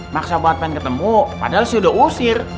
maksa banget pengen ketemu padahal sudah usir